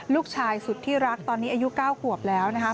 ลูกชายสุดที่รักตอนนี้อายุ๙ขวบแล้วนะคะ